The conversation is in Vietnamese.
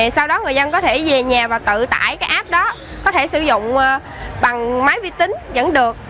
sau đó người dân có thể về nhà và tự tải cái app đó có thể sử dụng bằng máy vi tính vẫn được